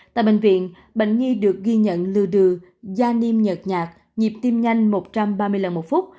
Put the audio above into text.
tại bệnh viện bệnh nhi được ghi nhận lưu đừ da niêm nhợt nhạt nhịp tim nhanh một trăm ba mươi lần một phút